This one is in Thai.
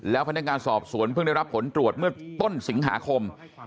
แล้วพนักงานสอบสวนเพิ่งได้รับผลตรวจเมื่อต้นสิงหาคม